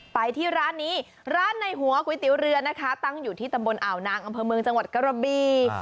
ไปที่ร้านนี้ร้านในหัวก๋วยเตี๋ยวเรือนะคะตั้งอยู่ที่ตำบลอ่าวนางอำเภอเมืองจังหวัดกระบี